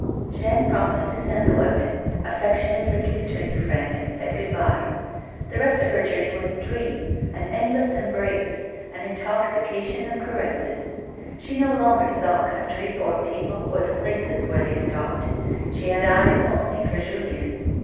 Jeanne pr(niiised to send the weapon, aft'ectionately kissed her new friend and said good bye. The rest of her journey was a dream, an endless embrace, an intoxication of caresses ; she no longer saw country or people or the places where they stopped, she had eyes only for Julien.